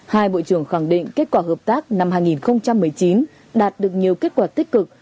hai bộ trưởng khẳng định kết quả hợp tác năm hai nghìn một mươi chín đạt được nhiều kết quả tích cực